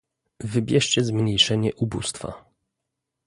wybierzcie zmniejszenie ubóstwa